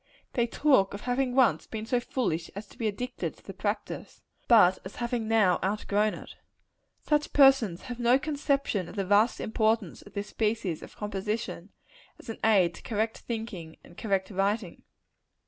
They talk of having once been so foolish as to be addicted to the practice; but as having now outgrown it. Such persons have no conception of the vast importance of this species of composition, as an aid to correct thinking and correct writing.